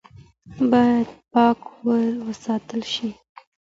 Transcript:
باید پاکه وساتل شي.